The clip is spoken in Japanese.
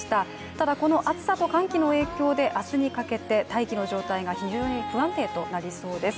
ただ、この暑さと寒気の影響で明日にかけて大気の状態が非常に不安定となりそうです。